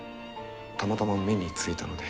たまたま目についたので。